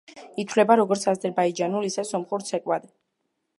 ითვლება როგორც აზერბაიჯანულ, ისე სომხურ ცეკვად.